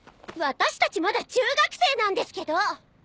私たちまだ中学生なんですけど！？